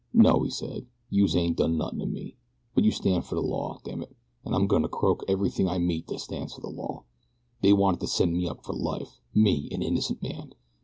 "No," he said, "youse ain't done nothin' to me; but you stand for the law, damn it, and I'm going to croak everything I meet that stands for the law. They wanted to send me up for life me, an innocent man.